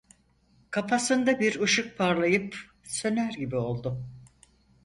Kafasında bir ışık parlayıp söner gibi oldu.